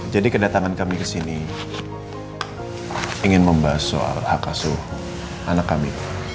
jadi kedatangan kami kesini ingin membahas soal hak asuh anak kami